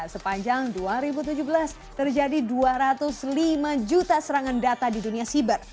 sepanjang dua ribu tujuh belas terjadi dua ratus lima juta serangan data di dunia siber